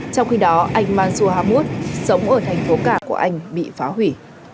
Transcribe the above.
trong khi đó anh mansour hamoud sống ở thành phố cảng của anh bị phá hủy